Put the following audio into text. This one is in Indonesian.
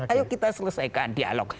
ayo kita selesaikan dialog